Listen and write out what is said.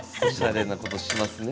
おしゃれなことしますね。